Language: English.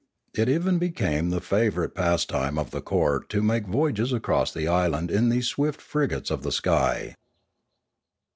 It even became the favourite pastime of the court to make voyages across the island in these swift frigates of the sky.